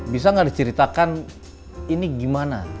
bisa nggak diceritakan ini gimana